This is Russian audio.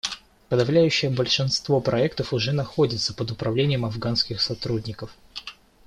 Подавляющее большинство проектов уже находится под управлением афганских сотрудников.